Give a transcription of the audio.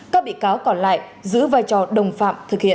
các bị cáo còn lại giữ vai trò đồng phạm thực hiện